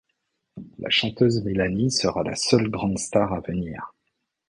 La chanteuse Melanie sera la seule grande star à venir.